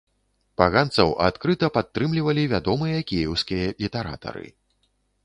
Паганцаў адкрыта падтрымлівалі вядомыя кіеўскія літаратары.